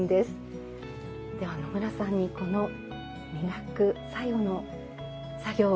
では野村さんにこの磨く最後の作業を。